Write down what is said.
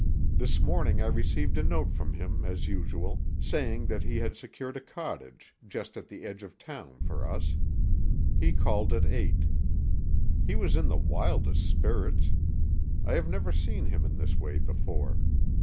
This morning I received a note from him as usual, saying that he had secured a cottage just at the edge of town for us. He called at eight. He was in the wildest spirits. I have never seen him in this way before.